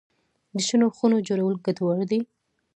د شنو خونو جوړول ګټور دي؟